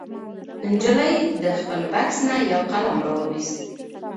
نجلۍ د خپل بکس نه یو قلم راوویست.